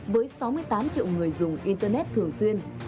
với sáu mươi tám triệu người dùng internet thường xuyên